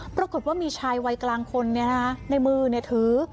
ปรากฏว่ามีชายวัยกลางคนเนี่ยฮะในมือเนี่ยถือ